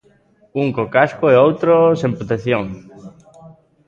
Un co casco e outro... sen protección.